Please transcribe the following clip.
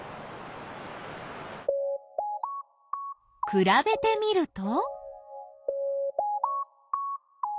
くらべてみると？